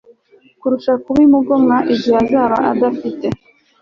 kurusha kubimugomwa Igihe azaba adafite